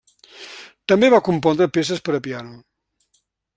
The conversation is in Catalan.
També va compondre peces per a piano.